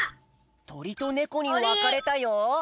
とりとねこにわかれたよ。